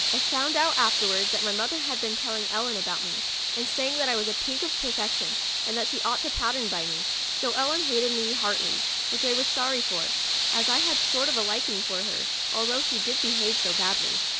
I found 18 MEMOIRS OF A out afterwards ■ that my mother had been telling Ellen about me, and saying that I was a pink of perfection, and that she ought to pattern by me. So Ellen hated me heartily, w 7 hich I was very sorry for, as I had a sort of liking for her, although she did behave so badly.